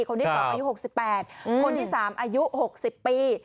คนที่๒อายุ๖๘คนที่๓อายุ๖๐ปี